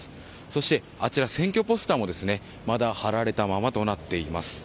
そして選挙ポスターもまだ貼られたままとなっています。